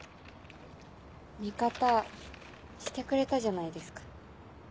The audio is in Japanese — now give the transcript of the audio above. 味方してくれたじゃないですか。